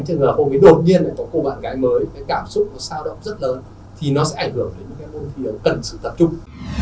thì nó sẽ ảnh hưởng đến những cái mỗi thi đấu cần sự tập trung